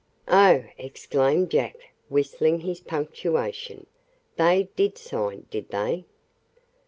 "Oh!" exclaimed Jack, whistling his punctuation. "They did sign, did they?"